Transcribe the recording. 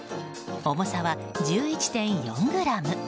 重さは１１．４ｇ。